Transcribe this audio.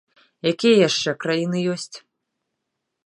Якія яшчэ краіны ёсць?